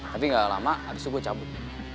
tapi gak lama abis itu gue cabut